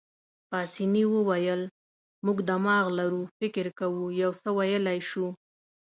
پاسیني وویل: موږ دماغ لرو، فکر کوو، یو څه ویلای شو.